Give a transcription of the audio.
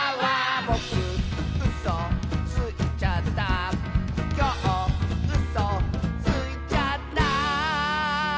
「ぼくうそついちゃった」「きょううそついちゃった」